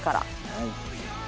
はい。